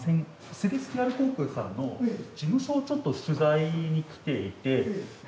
セレスティアル航空さんの事務所をちょっと取材に来ていて。